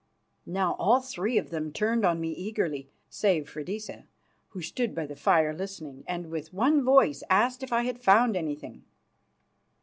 Now all three of them turned on me eagerly, save Freydisa, who stood by the fire listening, and with one voice asked if I had found anything.